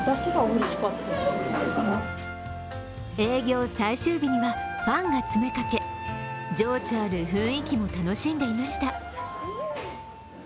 営業最終日にはファンが詰めかけ、情緒ある雰囲気も楽しんでいました。